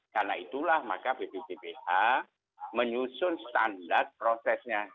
karena itulah maka bppbh menyusun standar prosesnya